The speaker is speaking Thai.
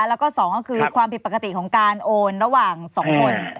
แล้วก็๒ก็คือความผิดปกติของการโอนระหว่าง๒คน